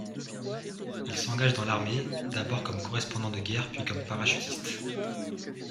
Il s'engage dans l'armée, d'abord comme correspondant de guerre, puis comme parachutiste.